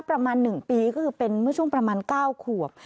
ประมาณ๑ปีก็คือเป็นเมื่อช่วงประมาณ๙ขวบ